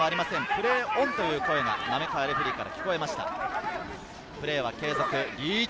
プレーオンという声がレフェリーから聞こえました。